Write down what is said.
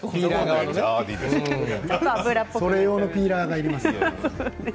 それ用のピーラーが必要ですね。